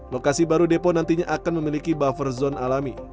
lokasi baru depo nantinya akan memiliki buffer zone alami